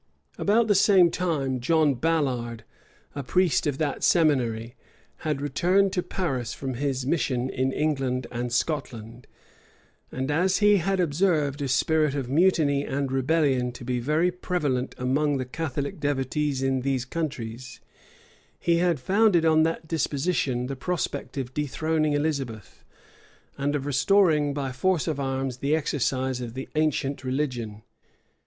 About the same time, John Ballard, a priest of that seminary, had returned to Paris from his mission in England and Scotland; and as he had observed a spirit of mutiny and rebellion to be very prevalent among the Catholic devotees in these countries, he had founded on that disposition the project of dethroning Elizabeth, and of restoring by force of arms the exercise of the ancient religion.